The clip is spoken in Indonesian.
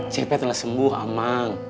jp telah sembuh amang